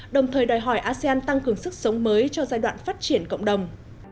đồng thời đòi hỏi asean tăng cường sức sống mới cho giai đoạn phát triển cộng đồng